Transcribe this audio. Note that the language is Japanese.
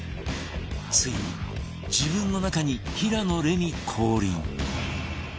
ついに自分の中に平野レミ降臨